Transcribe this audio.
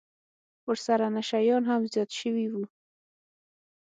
ورسره نشه يان هم زيات سوي وو.